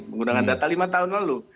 menggunakan data lima tahun lalu